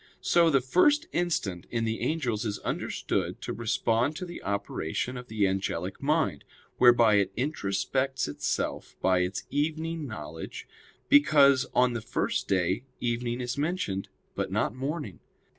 So the first instant in the angels is understood to respond to the operation of the angelic mind, whereby it introspects itself by its evening knowledge because on the first day evening is mentioned, but not morning.